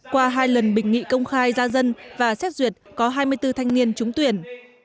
qua hai lần bình nghị công khai gia dân và xét duyệt có hai mươi bốn thanh niên trúng tuyển